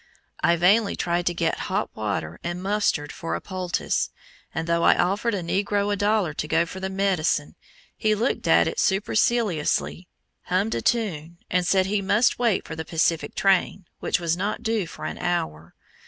I vainly tried to get hot water and mustard for a poultice, and though I offered a Negro a dollar to go for the medicine, he looked at it superciliously, hummed a tune, and said he must wait for the Pacific train, which was not due for an hour.